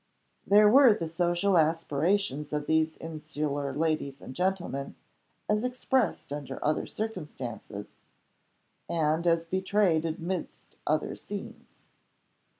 There were the social aspirations of these insular ladies and gentlemen, as expressed under other circumstances, and as betrayed amidst other scenes.